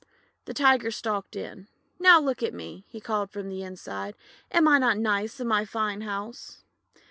The Tiger stalked in. "Now look at me!' he called from inside. "Am I not nice in my fine house?'